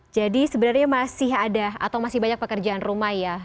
jadi sebenarnya masih ada atau masih banyak pekerjaan rumah